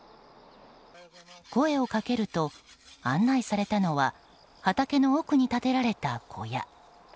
声をかけると、案内されたのは畑の奥に建てられた小屋。